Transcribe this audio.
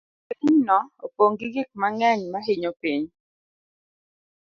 Pinyni opong' gi gik mang'eny ma hinyo piny.